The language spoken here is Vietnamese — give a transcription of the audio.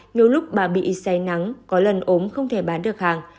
nhiều lúc bà bị say nắng có lần ốm không thể bán được hàng